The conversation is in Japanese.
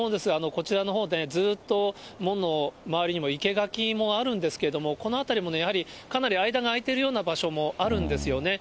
こちらのほうで、ずっと門の周りにも生垣もあるんですけれども、この辺りもやはり、かなり間があいてるような場所もあるんですよね。